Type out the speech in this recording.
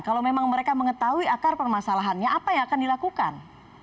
kalau memang mereka mengetahui akar permasalahannya apa yang akan dilakukan